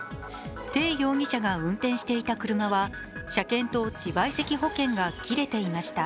テイ容疑者が運転していた車は車検と自賠責保険が切れていました。